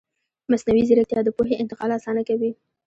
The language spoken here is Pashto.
مصنوعي ځیرکتیا د پوهې انتقال اسانه کوي.